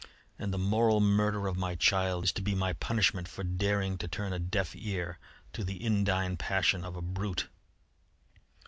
And the moral murder of my child is to be my punishment for daring to turn a deaf ear to the indign passion of a brute!"